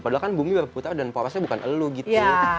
padahal kan bumi berputar dan porosnya bukan elu gitu